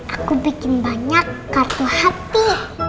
aku bikin banyak kartu hati